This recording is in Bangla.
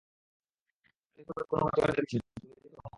আমি তো এসবের কোনও কার্যকারিতা দেখছি না, তুমি দেখছ?